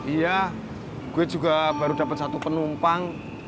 iya gue juga baru dapat satu penumpang